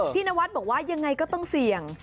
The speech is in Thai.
นวัดบอกว่ายังไงก็ต้องเสี่ยง